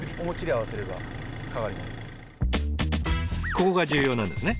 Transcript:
ここが重要なんですね。